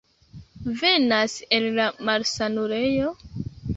Venas el la malsanulejo?